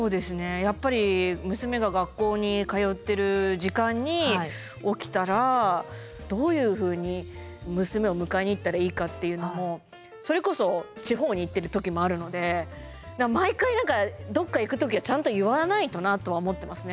やっぱり娘が学校に通ってる時間に起きたらどういうふうに娘を迎えに行ったらいいかっていうのもそれこそ地方に行ってる時もあるので毎回何かどっか行く時はちゃんと言わないとなとは思ってますね。